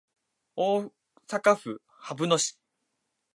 大阪府羽曳野市